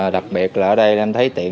đặc biệt là ở đây em thấy tiện